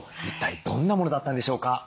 一体どんなものだったんでしょうか？